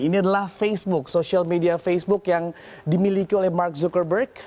ini adalah facebook social media facebook yang dimiliki oleh mark zuckerberg